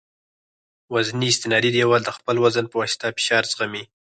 وزني استنادي دیوال د خپل وزن په واسطه فشار زغمي